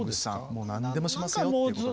もう何でもしますよということで。